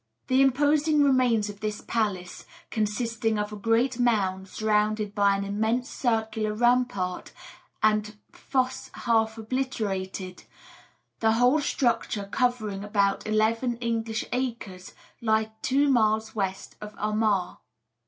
The imposing remains of this palace, consisting of a great mound surrounded by an immense circular rampart and fosse half obliterated, the whole structure covering about eleven English acres, lie two miles west of Armagh.